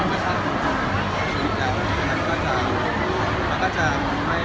แต่ในวันนี้ตัวเราต้องรีบรับเท่าไหร่